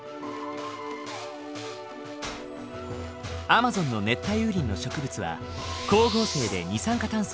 アマゾンの熱帯雨林の植物は光合成で二酸化炭素を取り込み